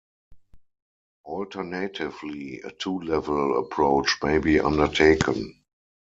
Alternatively, a "two-level" approach may be undertaken.